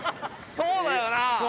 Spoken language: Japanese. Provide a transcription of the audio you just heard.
そうだよな。